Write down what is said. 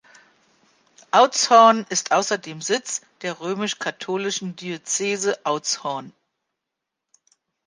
Oudtshoorn ist außerdem Sitz der römisch-katholischen Diözese Oudtshoorn.